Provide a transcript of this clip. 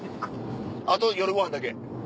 あと夜ご飯だけ。